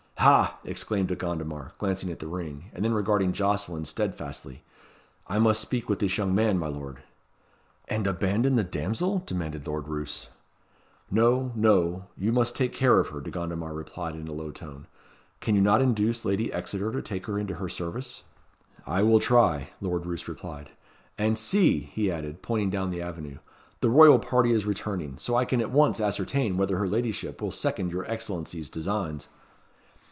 "Ha!" exclaimed De Gondomar, glancing at the ring, and then regarding Jocelyn steadfastly, "I must speak with this young man, my lord." "And abandon the damsel?" demanded Lord Roos. "No no you must take care of her," De Gondomar replied in a low tone. "Can you not induce Lady Exeter to take her into her service?" "I will try," Lord Roos replied. "And see!" he added, pointing down the avenue, "the royal party is returning, so I can at once ascertain whether her ladyship will second your Excellency's designs."